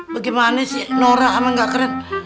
bagaimana sih nora anak gak keren